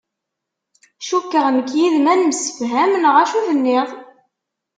Cukkeɣ nekk yid-m ad nemsefham, neɣ acu tenniḍ?